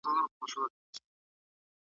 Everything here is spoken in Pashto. زه به مي څنګه په سیالانو کي عیدګاه ته ځمه